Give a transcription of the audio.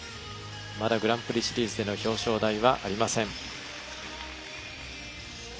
まだグランプリシリーズでの表彰台はありません。